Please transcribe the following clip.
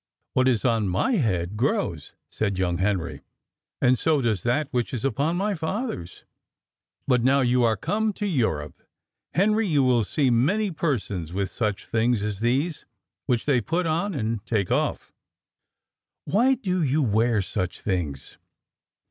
"What is on my head grows," said young Henry, "and so does that which is upon my father's." "But now you are come to Europe, Henry, you will see many persons with such things as these, which they put on and take off." "Why do you wear such things?"